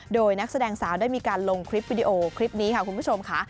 โดยนักแสดงสาวได้มีการลงคลิปวิดีโอคลิปนี้ค่ะคุณผู้ชมค่ะ